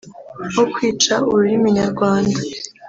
nko kwica ururimi nyarwanda